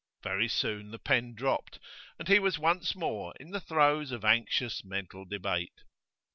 Very soon the pen dropped, and he was once more in the throes of anxious mental debate.